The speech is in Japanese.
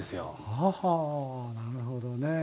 はあはあなるほどね。